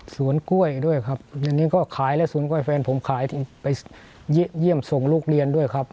สวนกล้วยด้วยครับอันนี้ก็ขายแล้วสวนกล้วยแฟนผมขายไปเยี่ยมส่งลูกเรียนด้วยครับ